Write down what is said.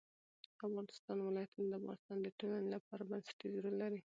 د افغانستان ولايتونه د افغانستان د ټولنې لپاره بنسټيز رول لري.